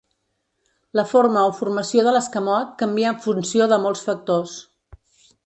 La forma o formació de l'escamot canvia en funció de molts factors.